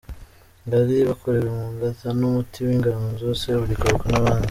Ngari’ bakorewe mu ngata n ‘Umuti w’Inganzo’, ‘Seburikoko’n’abandi.